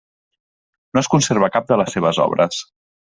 No es conserva cap de les seves obres.